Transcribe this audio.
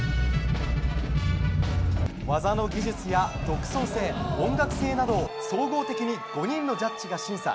技の技術や独創性、音楽性などを総合的に５人のジャッジが審査。